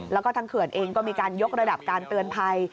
แล้วก็ทางเขื่อนเองก็มีการยกระดับการเตือนภัย